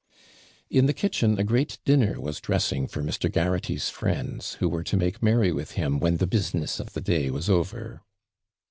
In the kitchen a great dinner was dressing for Mr. Garraghty's friends, who were to make merry with him when the business of the day was over.